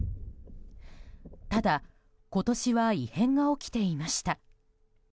ただ今年は異変が起きていました。